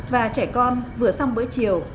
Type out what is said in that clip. và trẻ con vừa xong bữa chiều